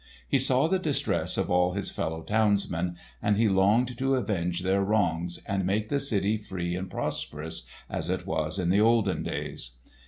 He saw the distress of all his fellow townsmen and he longed to avenge their wrongs and make the city free and prosperous as it was in the olden days.